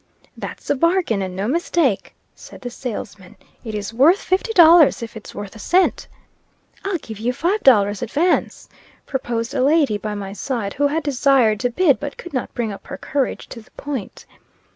"That's a bargain, and no mistake," said the salesman. "It is worth fifty dollars, if it's worth a cent." "I'll give you five dollars advance," proposed a lady by my side, who had desired to bid, but could not bring up her courage to the point.